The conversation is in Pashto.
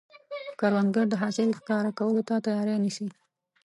کروندګر د حاصل ښکاره کولو ته تیاری نیسي